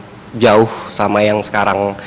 nggak terlalu jauh sama yang sekarang